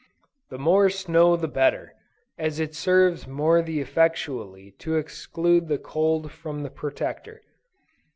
The more snow the better, as it serves more the effectually to exclude the cold from the Protector.